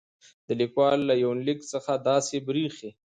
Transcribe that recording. د ليکوال له يونليک څخه داسې برېښي